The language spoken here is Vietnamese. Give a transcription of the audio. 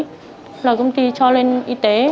thế là công ty cho lên y tế